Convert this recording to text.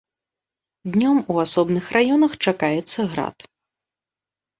Днём у асобных раёнах чакаецца град.